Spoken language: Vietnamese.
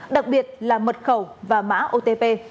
đặc biệt là mật khẩu và mã otp